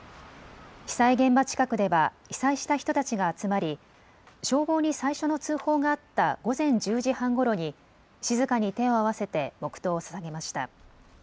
被災現場近くでは被災した人たちが集まり消防に最初の通報があった午前１０時半ごろに静かに手を合わせて黙とうをささげました。